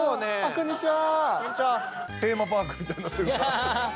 こんにちは。